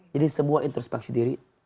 jadi semua introspeksi diri